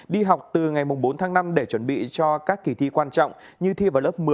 đi học từ ngày bốn tháng năm để chuẩn bị cho các kỳ thi quan trọng như thi vào lớp một mươi